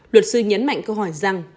luật sư nhấn mạnh câu hỏi rằng